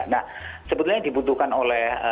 nah sebetulnya yang dibutuhkan oleh